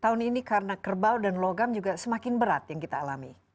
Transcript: tahun ini karena kerbau dan logam juga semakin berat yang kita alami